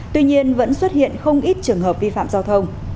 tuy nhiên vẫn xuất hiện không ít trường hợp vi phạm giao thông